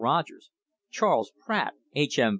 Rogers, Charles Pratt, H. M.